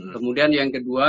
kemudian yang kedua